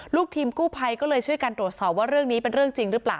ลูกทีมกู้ภัยก็เลยช่วยกันตรวจสอบว่าเรื่องนี้เป็นเรื่องจริงหรือเปล่า